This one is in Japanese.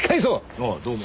ああどうも。